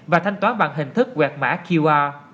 và thanh toán bằng hình thức quẹt mã qr